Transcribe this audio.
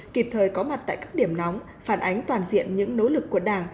kịp thời có mặt tại các điểm nóng phản ánh toàn diện những nỗ lực của đảng